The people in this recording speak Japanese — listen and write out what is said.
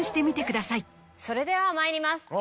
それではまいります。